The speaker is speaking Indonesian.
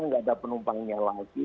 tidak ada penumpangnya lagi